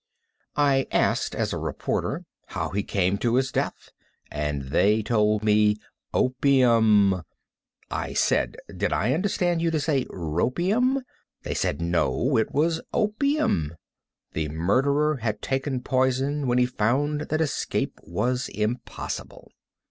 I asked, as a reporter, how he came to his death, and they told me opium! I said, did I understand you to say "ropium?" They said no, it was opium. The murderer had taken poison when he found that escape was impossible.